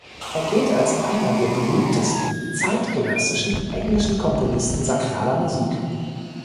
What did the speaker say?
Er gilt als einer der berühmtesten zeitgenössischen englischen Komponisten sakraler Musik.